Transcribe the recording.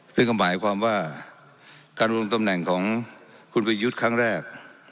ซึ่งก็หมายความว่าการรวมตำแหน่งของคุณประยุทธ์ครั้งแรก